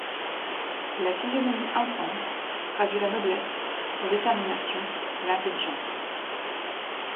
La physionomie intense traduit la noblesse, la détermination, l'intelligence.